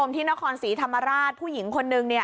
ที่นครศรีธรรมาราชผู้หญิงคนหนึ่งเนี่ย